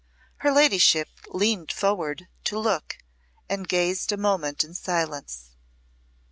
Her ladyship leaned forward to look, and gazed a moment in silence.